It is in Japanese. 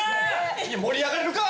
いや盛り上がれるか！